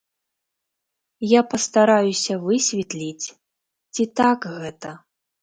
Я пастараюся высветліць, ці так гэта.